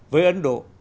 với ấn độ